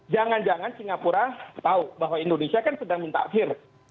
jangan jangan singapura tahu bahwa indonesia kan sedang minta akhir